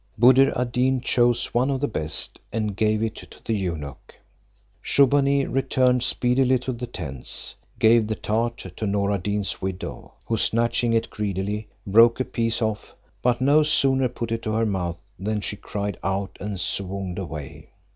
Buddir ad Deen chose one of the best, and gave it to the eunuch. Shubbaunee returned speedily to the tents, gave the tart to Noor ad Deen's widow, who, snatching it greedily, broke a piece off; but no sooner put it to her mouth, than she cried out and swooned away.